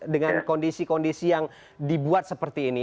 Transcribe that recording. dengan kondisi kondisi yang dibuat seperti ini